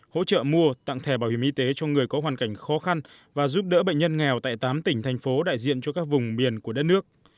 hỗ trợ mua tặng thẻ bảo hiểm y tế cho người có hoàn cảnh khó khăn và giúp đỡ bệnh nhân nghèo tại tám tỉnh thành phố đại diện cho các vùng miền của đất nước